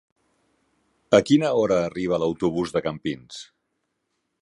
A quina hora arriba l'autobús de Campins?